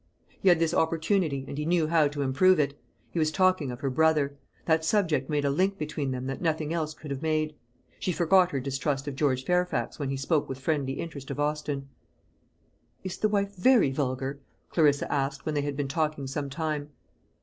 He had his opportunity, and he knew how to improve it. He was talking of her brother. That subject made a link between them that nothing else could have made. She forgot her distrust of George Fairfax when he spoke with friendly interest of Austin. "Is the wife very vulgar?" Clarissa asked, when they had been talking some time.